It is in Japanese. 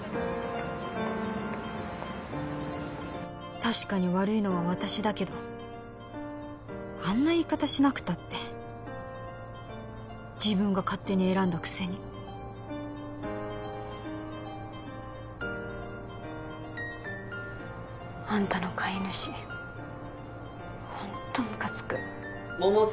確かに悪いのは私だけどあんな言い方しなくたって自分が勝手に選んだくせにあんたの飼い主ホントムカつく百瀬